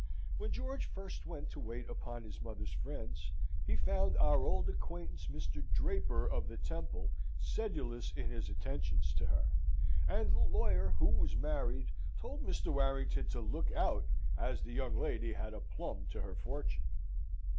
When George first went to wait upon his mother's friends, he found our old acquaintance, Mr. Draper, of the Temple, sedulous in his attentions to her; and the lawyer, who was married, told Mr. Warrington to look out, as the young lady had a plumb to her fortune.